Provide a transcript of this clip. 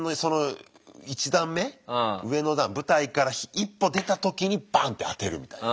上の段舞台から１歩出た時にバンってあてるみたいな。